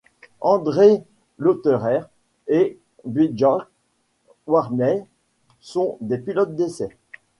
André Lotterer et Björn Wirdheim sont les pilotes d'essais.